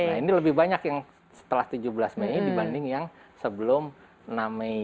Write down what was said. nah ini lebih banyak yang setelah tujuh belas mei dibanding yang sebelum enam mei